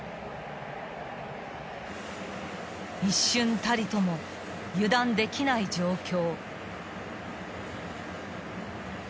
［一瞬たりとも油断できない状況］